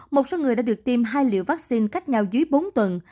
một số người đã được tiêm hai liệu vaccine cách nhau dưới bốn tuần